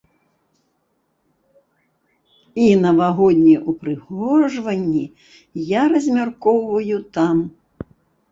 І навагоднія ўпрыгожванні я размяркоўваю там.